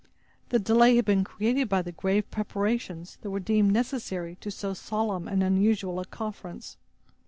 The delay had been created by the grave preparations that were deemed necessary to so solemn and unusual a conference.